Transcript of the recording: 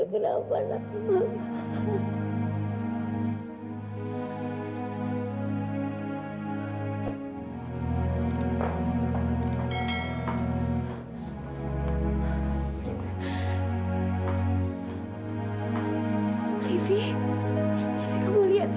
maaf fadil kenapa nak